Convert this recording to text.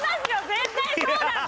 絶対そうだって！